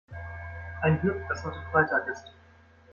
Ein Glück, dass heute Freitag ist!